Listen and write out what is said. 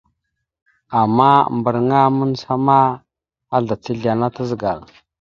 Ama mbəraŋa mandzəhaŋa ma, azlac ezle ana tazəgal.